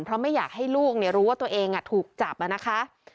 เพราะไม่อยากให้ลูกรู้ว่าตัวเองถูกจับนะคะ